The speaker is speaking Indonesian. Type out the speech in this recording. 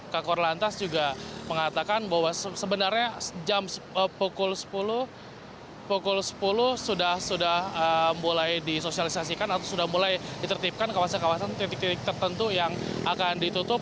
kakor lantas juga mengatakan bahwa sebenarnya jam pukul sepuluh pukul sepuluh sudah mulai disosialisasikan atau sudah mulai ditertipkan kawasan kawasan titik titik tertentu yang akan ditutup